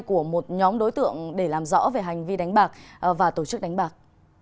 của một nhóm đối tượng để làm rõ về hành vi đánh bạc và tổ chức đánh bạc